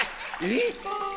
えっ！？